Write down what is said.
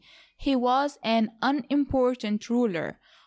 He was an unim portant ruler.